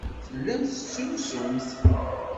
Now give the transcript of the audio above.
Tellamt tettrusumt.